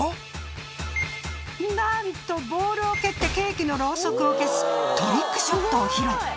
なんとボールを蹴ってケーキのロウソクを消すトリックショットを披露！